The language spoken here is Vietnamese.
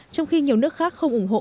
trong khi nhiều nước khác không ủng hộ